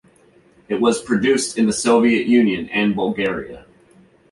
It was produced in the Soviet Union and Bulgaria.